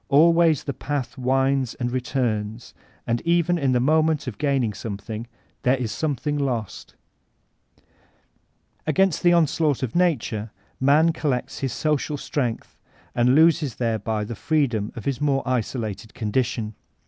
Always the path winds and returns, and even in the moment of gaining something, there is something lost 2SO Voltahinb db CtEns Against the onslaught of Nature, Man collecb his cial strengdiy and loses thereby the freedom of hb more isolated condition.